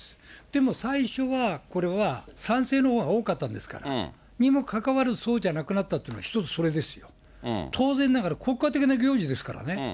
でも、最初は、これは賛成のほうが多かったですから、にもかかわらず、そうじゃなくなったっていうのは一つそれですよ。当然ながら国家的な行事ですからね。